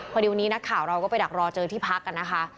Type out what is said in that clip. พอดีวันนี้นักข่าวเราก็ไปดักรอเจอที่พักกันนะคะ